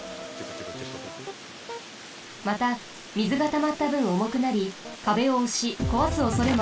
またみずがたまったぶんおもくなりかべをおしこわすおそれもあります。